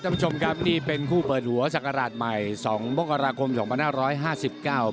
ท่านผู้ชมครับนี่เป็นคู่เปิดหัวศักราชใหม่สองมกราคมสองพันห้าร้อยห้าสิบเก้า